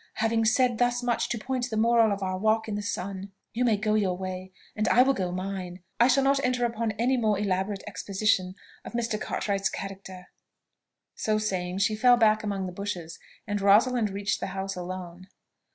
Having said thus much to point the moral of our walk in the sun, you may go your way, and I will go mine. I shall not enter upon any more elaborate exposition of Mr. Cartwright's character." So saying, she fell back among the bushes, and Rosalind reached the house alone.